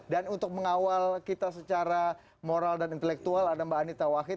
dan untuk mengawal kita secara moral dan intelektual ada mbak anita wahid